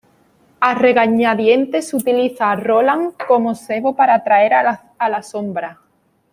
A regañadientes utiliza a Roland como cebo para atraer a la sombra.